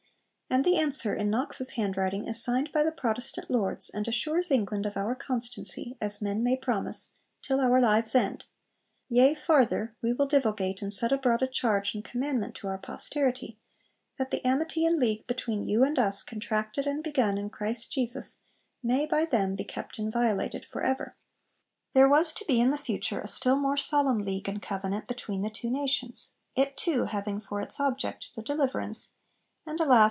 And the answer, in Knox's handwriting, is signed by the Protestant lords, and assures England 'of our constancy (as men may promise) till our lives end; yea, farther, we will divulgate and set abroad a charge and commandment to our posterity, that the amity and league between you and us contracted and begun in Christ Jesus may by them be kept inviolated for ever.' There was to be in the future a still more Solemn League and Covenant between the two nations, it too having for its object the deliverance (and, alas!